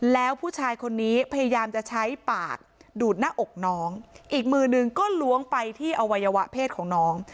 แล้วผู้ชายคนนี้พยายามจะใช้ปากดูดหน้าอกน้องอีกมือหนึ่งก็ล้วงไปที่อวัยวะเพศของน้อง